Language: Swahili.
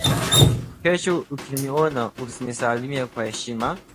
kesho ukiniona unisalimie kwa heshima